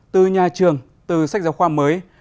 từ nhà trường từ sách giáo khoa mới